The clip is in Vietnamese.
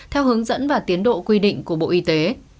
theo hướng dẫn và tiến độ quy định của bộ y tế